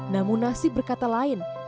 namunasi berkata lain